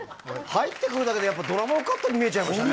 入ってくるだけでやっぱドラマのカットに見えちゃいましたね